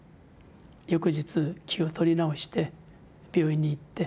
翌日気を取り直して病院に行って。